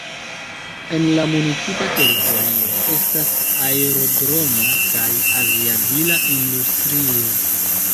En la municipa teritorio estas aerodromo kaj aviadila industrio.